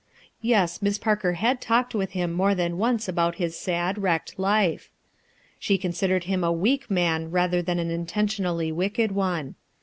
Yes, Miss Parker had talked with him more than once about his sad, wrecked life. She considered him a weak man rather than an intentionally wicked one.